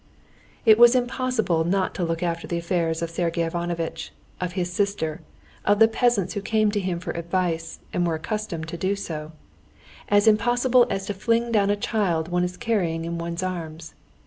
It was impossible not to look after the affairs of Sergey Ivanovitch, of his sister, of the peasants who came to him for advice and were accustomed to do so—as impossible as to fling down a child one is carrying in one's arms.